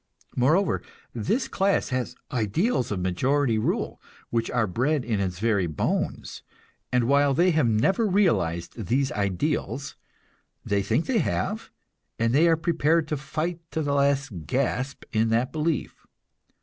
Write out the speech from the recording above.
Moreover, this class has ideals of majority rule, which are bred in its very bones; and while they have never realized these ideals, they think they have, and they are prepared to fight to the last gasp in that belief.